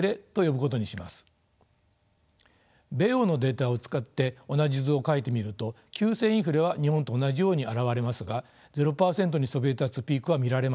米欧のデータを使って同じ図を描いてみると急性インフレは日本と同じように表れますがゼロ％にそびえ立つピークは見られません。